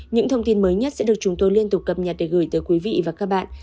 những thông tin mới nhất sẽ được chúng tôi liên tục cập nhật để gửi tới quý vị và các bạn